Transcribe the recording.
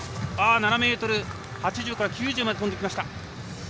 ７ｍ８０から９０まで跳んできました。